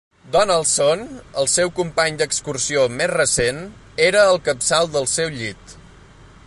Donaldson, el seu company d'excursió més recent, era al capçal del seu llit.